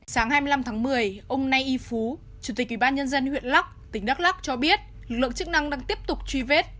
sáng hai mươi năm tháng một mươi ông nay y phú chủ tịch ủy ban nhân dân huyện lắc tỉnh đắk lắc cho biết lượng chức năng đang tiếp tục truy vết